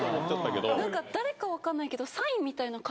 誰か分かんないけど。